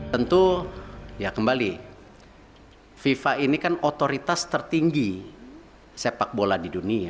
tentu ya kembali fifa ini kan otoritas tertinggi sepak bola di dunia